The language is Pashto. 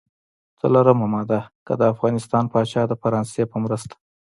څلورمه ماده: که د افغانستان پاچا د فرانسې په مرسته.